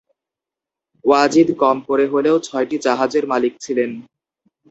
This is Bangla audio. ওয়াজিদ কম করে হলেও ছয়টি জাহাজের মালিক ছিলেন।